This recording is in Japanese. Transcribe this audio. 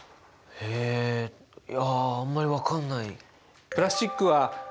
えいやあんまり分かんない。